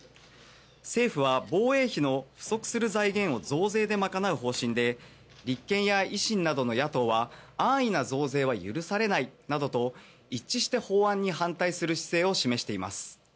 政府は、防衛費の不足する財源を増税で賄う方針で立憲や維新などの野党は安易な増税は許されないなどと一致して法案に反対する姿勢を示しています。